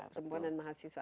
perempuan dan mahasiswa